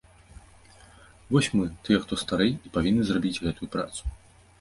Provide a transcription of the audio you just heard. Вось мы, тыя, хто старэй, і павінны зрабіць гэтую працу.